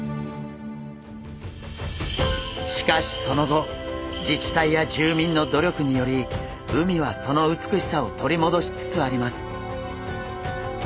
しかしその後自治体や住民の努力により海はその美しさを取りもどしつつあります。